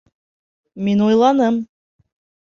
Мин уйланым...